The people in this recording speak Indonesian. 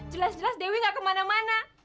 jelas jelas dewi gak kemana mana